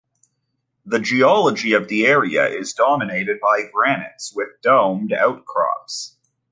The geology of the area is dominated by granites with domed outcrops.